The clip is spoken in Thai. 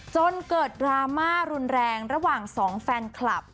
จนเกิดดราม่ารุนแรงระหว่างสองแฟนคลับ